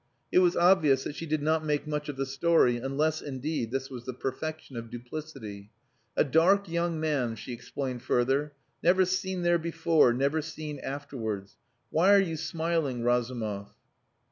It was obvious that she did not make much of the story unless, indeed, this was the perfection of duplicity. "A dark young man," she explained further. "Never seen there before, never seen afterwards. Why are you smiling, Razumov?"